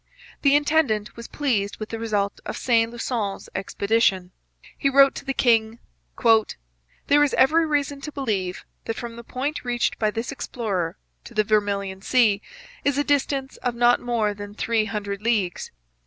The intendant was pleased with the result of Saint Lusson's expedition. He wrote to the king: 'There is every reason to believe that from the point reached by this explorer to the Vermilion Sea is a distance of not more than three hundred leagues.